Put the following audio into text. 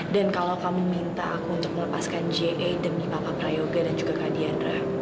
dan kalau kamu minta aku untuk melepaskan ja demi papa prayoga dan juga kak diandra